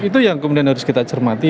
itu yang kemudian harus kita cermati